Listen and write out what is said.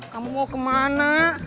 kamu mau kemana